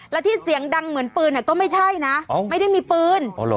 แล้วที่เสียงดังเหมือนปืนเนี้ยก็ไม่ใช่นะอ๋อไม่ได้มีปืนอ๋อเหรอ